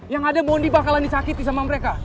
yang ada bondi bakalan disakiti sama mereka